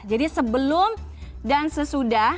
jadi sebelum dan sesudah